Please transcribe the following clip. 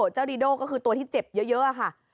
ดีโด่ก็คือตัวที่เจ็บเยอะค่ะ